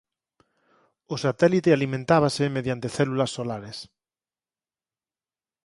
O satélite alimentábase mediante células solares.